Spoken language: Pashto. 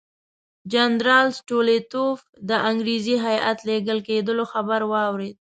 جنرال سټولیتوف د انګریزي هیات لېږل کېدلو خبر واورېد.